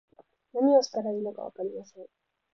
何をしたらいいのかわかりません